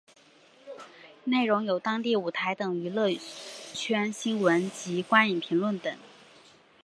内容有当地舞台等娱乐圈新闻及观影评论等。